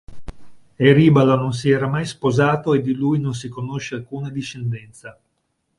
Eribalo non si era mai sposato e di lui non si conosce alcuna discendenza.